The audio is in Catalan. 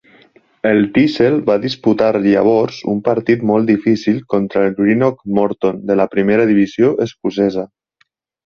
El Thistle va disputar llavors un partit molt difícil contra el Greenock Morton de la primera divisió escocesa.